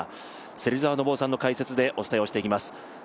芹澤信雄さんの解説でお伝えしていきます。